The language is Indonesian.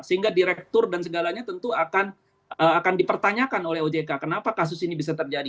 sehingga direktur dan segalanya tentu akan dipertanyakan oleh ojk kenapa kasus ini bisa terjadi